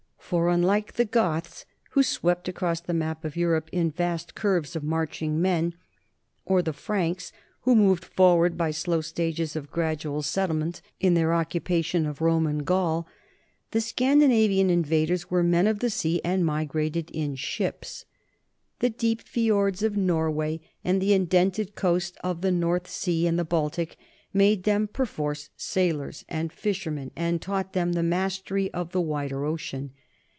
For, unlike the Goths who swept across the map of Europe in vast curves of marching men, or the Franks who moved forward by slow stages of gradual settlement in their 30 NORMANS IN EUROPEAN HISTORY occupation of Roman Gaul, the Scandinavian invaders were men of the sea and migrated in ships. The deep fjords of Norway and the indented coast of the North Sea and the Baltic made them perforce sailors and fishermen and taught them the mastery of the wider ocean.